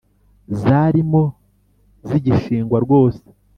zarimo zigishingwa rwose